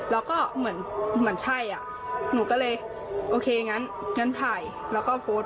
แล้วก็เหมือนใช่อ่ะหนูก็เลยโอเคงั้นถ่ายแล้วก็โพสต์